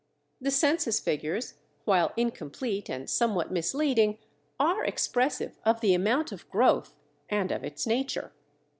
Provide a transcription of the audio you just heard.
The census figures, while incomplete and somewhat misleading, are expressive of the amount of growth and of its nature.